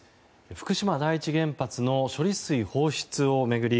福島第一原発の処理水放出を巡り